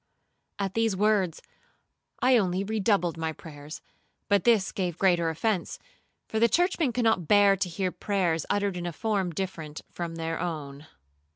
At these words I only redoubled my prayers; but this gave greater offence, for churchmen cannot bear to hear prayers uttered in a form different from their own.